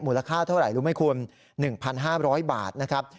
ค่าเท่าไหร่รู้ไหมคุณ๑๕๐๐บาทนะครับ